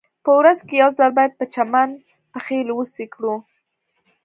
په ورځ کې یو ځل باید په چمن پښې لوڅې کړو